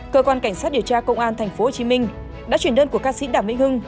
cơ quan cảnh sát điều tra công an tp hcm đã chuyển đơn của ca sĩ đàm mỹ hưng